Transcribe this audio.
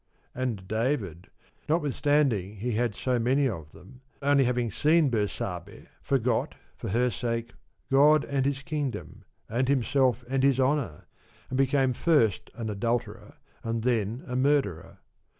And David, notwithstanding he had so many of them, only having seen Bersabe, forgot, for her sake, God, and his kingdom, and himself, and his honour, and became first an adulterer and then a murderer.